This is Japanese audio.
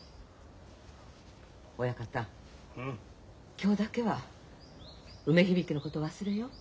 今日だけは梅響のこと忘れよう？